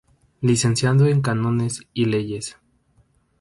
Licenciado en Cánones y Leyes.